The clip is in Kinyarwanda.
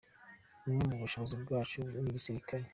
"Bumwe mu bushobozi bwacu ni igisirikare.